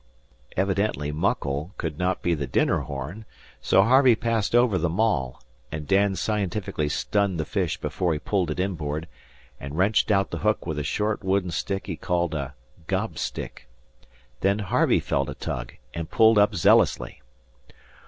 Evidently "muckle" could not be the dinner horn, so Harvey passed over the maul, and Dan scientifically stunned the fish before he pulled it inboard, and wrenched out the hook with the short wooden stick he called a "gob stick." Then Harvey felt a tug, and pulled up zealously.